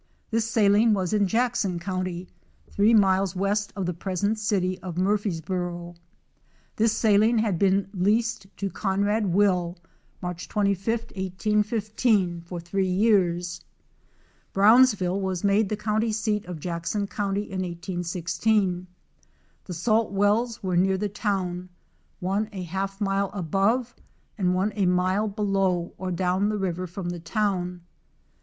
This saline was in Jackson county, three miles west of the present city of Murphysboro. This saline had been leased to Conrad Will, March 25, 1815 for three years. Brownsville was made the county seat of Jackson county in 1816. The salt wells were near the town, one a half mile above, and one a mile below or down the river from the town.